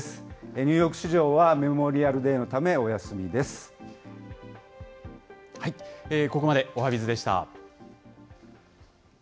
ニューヨーク市場はメモリアルデーのため、ここまでおはＢｉｚでした。